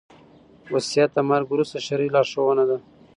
وصيت د مرګ وروسته شرعي لارښوونه ده